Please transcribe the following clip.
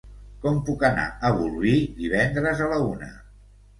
Com puc anar a Bolvir divendres a la una?